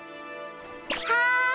はい！